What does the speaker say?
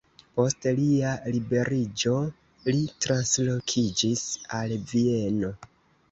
Post lia liberiĝo li translokiĝis al Vieno.